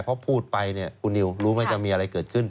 เพราะพูดไปเนี่ยคุณนิวรู้ไหมจะมีอะไรเกิดขึ้น